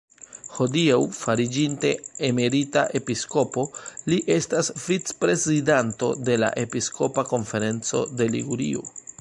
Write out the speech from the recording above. Hodiaŭ, fariĝinte emerita episkopo, li estas vicprezidanto de la "Episkopa konferenco de Ligurio".